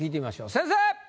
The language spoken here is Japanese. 先生。